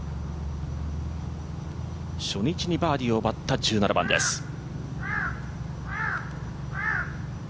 初日にバーディーを奪った１７番です。